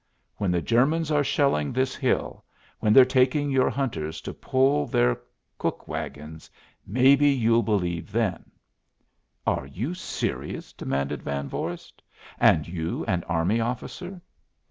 When the Germans are shelling this hill, when they're taking your hunters to pull their cook wagons, maybe, you'll believe then." "Are you serious?" demanded Van Vorst. "And you an army officer?"